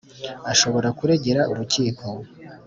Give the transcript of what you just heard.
Ashobora kuregera urukiko